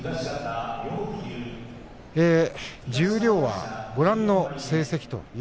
十両は、ご覧の成績。